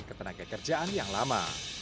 ketenaga kerjaan yang lama